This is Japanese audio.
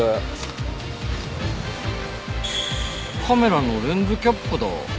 カメラのレンズキャップだ。